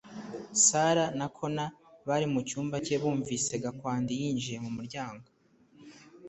Sarah na Connor bari mucyumba cye bumvise Gakwandi yinjiye mu muryango